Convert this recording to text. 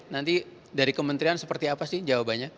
nanti dari kementerian seperti apa sih jawabannya